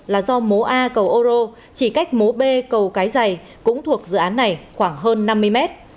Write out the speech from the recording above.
là do mố a cầu oro chỉ cách mố b cầu cái dày cũng thuộc dự án này khoảng hơn năm mươi mét